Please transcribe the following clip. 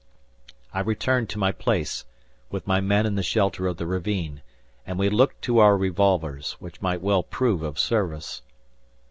I returned to my place, with my men in the shelter of the ravine; and we looked to our revolvers, which might well prove of service.